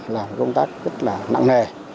là công tác rất là nặng nề